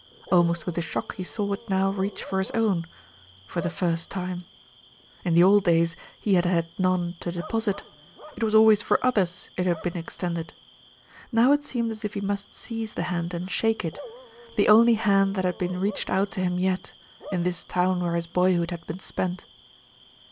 Almost with a shock he saw it now reach for his own for the first time. In the old days he had had none to deposit. It was always for others it had been extended. Now it seemed as if he must seize the hand and shake it, the only hand that had been reached out to him yet, in this town where his boyhood had been spent.